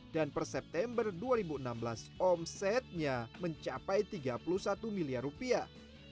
per september dua ribu enam belas omsetnya mencapai tiga puluh satu miliar rupiah